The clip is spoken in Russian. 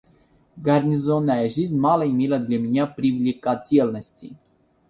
Гарнизонная жизнь мало имела для меня привлекательности.